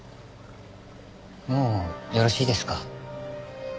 もうよろしいですか？